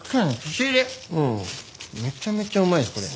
めちゃめちゃうまいですこれ。